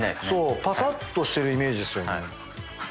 そうパサッとしてるイメージですよね。